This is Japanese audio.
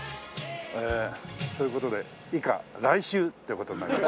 ええ。という事で以下来週って事になります。